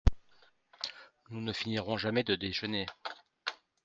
Nous ne finirons jamais de déjeuner…